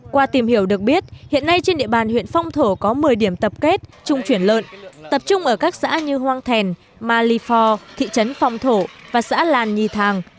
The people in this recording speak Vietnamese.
qua tìm hiểu được biết hiện nay trên địa bàn huyện phong thổ có một mươi điểm tập kết trung chuyển lợn tập trung ở các xã như hoang thèn malifor thị trấn phong thổ và xã làn nhì thàng